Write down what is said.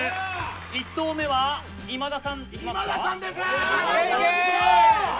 １投目は今田さん、いきますか。